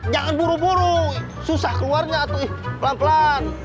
jangan buru buru susah keluarnya atau pelan pelan